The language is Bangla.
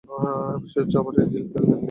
চপারের ইঞ্জিনের তেল লিক হচ্ছে।